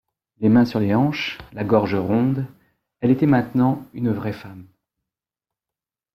Les mains sur les hanches, la gorge ronde, elle était maintenant une vraie femme.